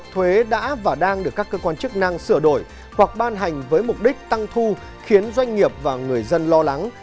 thuế đã và đang được các cơ quan chức năng sửa đổi hoặc ban hành với mục đích tăng thu khiến doanh nghiệp và người dân lo lắng